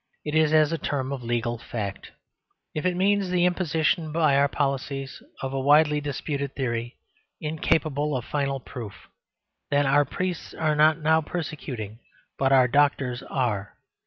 It is as a term of legal fact. If it means the imposition by the police of a widely disputed theory, incapable of final proof then our priests are not now persecuting, but our doctors are.